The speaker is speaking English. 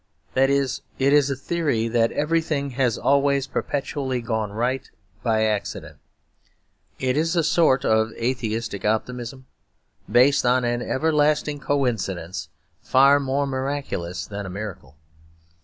That is, it is a theory that everything has always perpetually gone right by accident. It is a sort of atheistic optimism, based on an everlasting coincidence far more miraculous than a miracle.